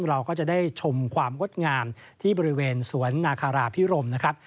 เราก็จะได้ชมความงดงามที่บริเวณสวนนาคาราพิรมนะครับ